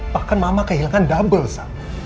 bahkan mama kehilangan double saat